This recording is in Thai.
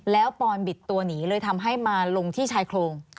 แล้วปอนบิดตัวหนีเลยทำให้มาลงที่ชายโครง